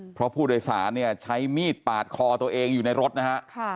เพราะผู้โดยสารเนี่ยใช้มีดปาดคอตัวเองอยู่ในรถนะฮะ